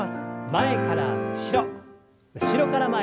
前から後ろ後ろから前に。